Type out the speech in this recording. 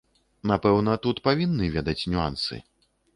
Напэўна, тут павінны ведаць нюансы.